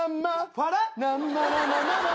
ファラ！